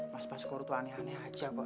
mas baskor itu aneh aneh aja kok